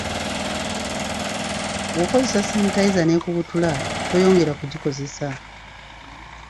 Bw’okozesa sanitayiza n’ekubutula, toyongera kugikozesa.